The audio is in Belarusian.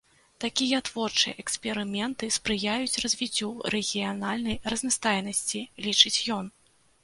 Такія творчыя эксперыменты спрыяюць развіццю рэгіянальнай разнастайнасці, лічыць ён.